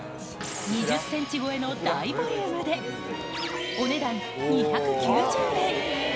２０センチ超えの大ボリュームで、お値段、２９０円。